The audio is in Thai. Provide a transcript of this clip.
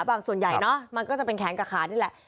ส่วนใหญ่เนอะมันก็จะเป็นแขนกับขานี่แหละ